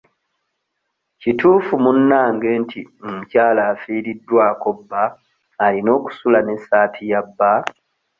Kituufu munnange nti omukyala afiiriddwako bba alina okusula n'essaati ya bba?